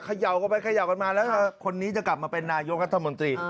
เขย่ากันมาแล้วคนนี้จะกลับมาเป็นนายกรรษมนตรี